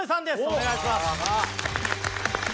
お願いします。